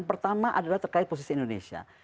pertama adalah terkait posisi indonesia